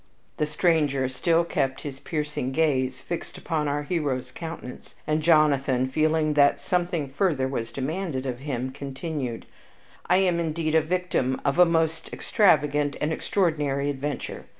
The stranger still kept his piercing gaze fixed upon our hero's countenance, and Jonathan, feeling that something further was demanded of him, continued: "I am, indeed, a victim of a most extravagant and extraordinary adventure.